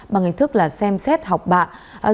bằng hình thức xem xét học bạ